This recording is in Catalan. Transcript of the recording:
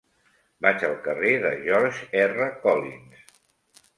Vaig al carrer de George R. Collins.